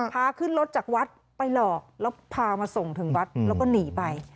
พาขึ้นรถจากวัดไปหลอกแล้วพามาส่งถึงวัดแล้วก็หนีไป